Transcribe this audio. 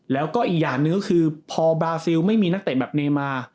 แล้วก็อีกอย่างหนึ่งก็คือพอบราซิลไม่มีนักเตะแบบเนมา